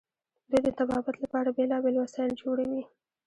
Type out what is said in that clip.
دوی د طبابت لپاره بیلابیل وسایل جوړوي.